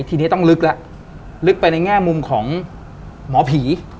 ทีนี้ต้องลึกแล้วลึกไปในแง่มุมของหมอผี